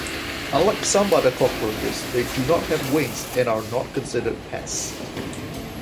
Unlike some other cockroaches, they do not have wings and are not considered pests.